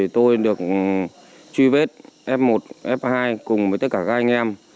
tôi được truy vết f một f hai cùng với tất cả các anh em